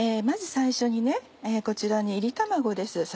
まず最初にこちらに炒り卵です